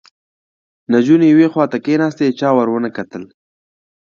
نجونې یوې خواته کېناستې، چا ور ونه کتل